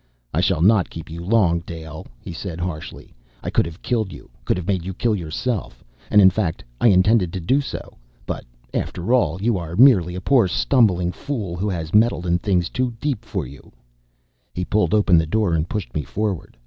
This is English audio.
"I shall not keep you long, Dale," he said harshly. "I could have killed you could have made you kill yourself, and in fact, I intended to do so but after all, you are merely a poor stumbling fool who has meddled in things too deep for you." He pulled open the door and pushed me forward.